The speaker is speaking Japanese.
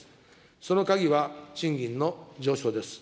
その鍵は賃金の上昇です。